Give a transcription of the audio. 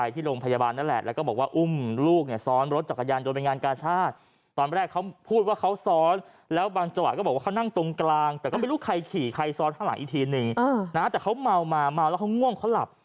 ที่นี่นะแต่เขาเมาเขาง่วงเขาหลับ